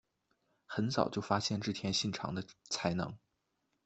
很早就发现织田信长的才能。